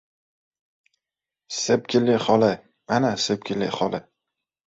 — Sepkilli xola! Ana, Sepkilli xola!